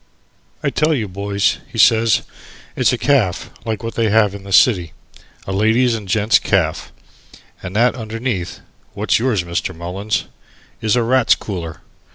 "I tell you, boys," he says, "it's a caff like what they have in the city a ladies' and gent's caff, and that underneath (what's yours, Mr. Mullins?) is a Rats' Cooler.